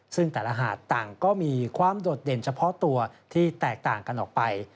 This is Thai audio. ซึ่งแต่ละหาดต่างก็มีความโดดเด่นเฉพาะตัวที่แตกต่างกันออกไป